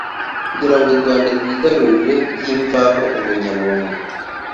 kugirango u Rwanda rwigarurire by’imvaho u Bunyabungo